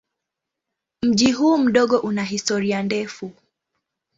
Mji huu mdogo una historia ndefu.